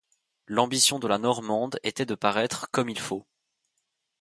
L’ambition de la Normande était de paraître « comme il faut.